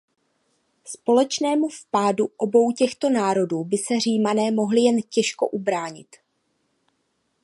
Společnému vpádu obou těchto národů by se Římané mohli jen těžko ubránit.